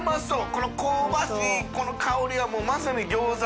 この香ばしいこの香りは發まさに餃子！